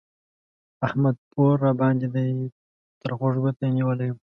احمد پور راباندې دی؛ تر خوږ ګوته يې نيولی يم